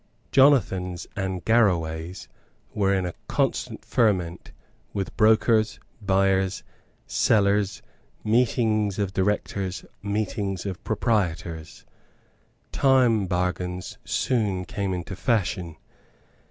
Jonathan's and Garraway's were in a constant ferment with brokers, buyers, sellers, meetings of directors, meetings of proprietors. Time bargains soon came into fashion.